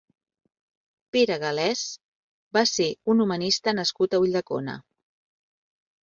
Pere Galès va ser un humanista nascut a Ulldecona.